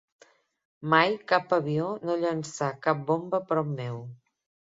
Mai cap avió no llançà cap bomba prop meu